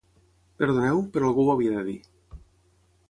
Perdoneu, però algú ho havia de dir.